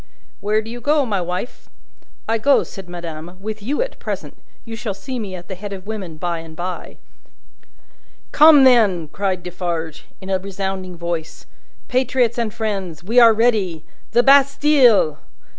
"Where do you go, my wife?" "I go," said madame, "with you at present. You shall see me at the head of women, by and bye." "Come, then!" cried Defarge, in a resounding voice. "Patriots and friends, we are ready! The Bastille!"